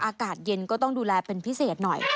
อากาศเย็นก็ต้องดูแลเป็นพิเศษหน่อย